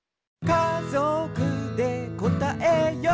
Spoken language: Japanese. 「かぞくでかんがえよう」